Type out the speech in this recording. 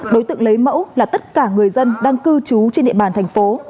đối tượng lấy mẫu là tất cả người dân đang cư trú trên địa bàn thành phố